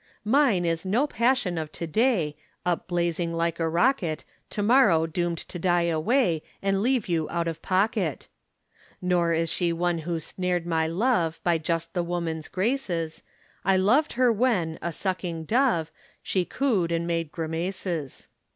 Mine is no passion of to day, Upblazing like a rocket, To morrow doomed to die away And leave you out of pocket. Nor is she one who snared my love By just the woman's graces: I loved her when, a sucking dove, She cooed and made grimaces.